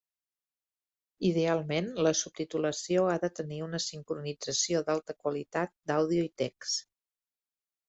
Idealment, la subtitulació ha de tenir una sincronització d'alta qualitat d'àudio i text.